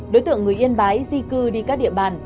đối tượng người yên bái di cư đi các địa bàn